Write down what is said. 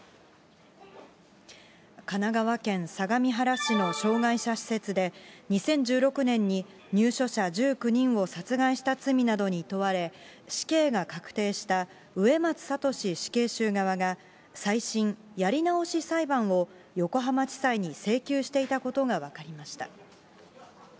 神奈川県相模原市の障がい者施設で、２０１６年に入所者１９人を殺害した罪などに問われ、死刑が確定した植松聖死刑囚側が、再審・やり直し裁判を、横浜地裁に請求していたことが分かりました。